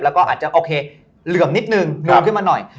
แล้วก็อาจจะโอเคเหลื่อมนิดนึงลืมขึ้นมาหน่อย